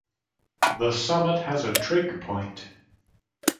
The summit has a trig point.